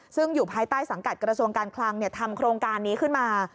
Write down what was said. ซึ่งอยู่ภายใต้สังกัดกระทรวงการคลังทำโครงการนี้ขึ้นมา